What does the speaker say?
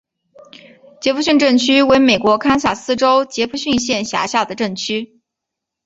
杰佛逊镇区为美国堪萨斯州杰佛逊县辖下的镇区。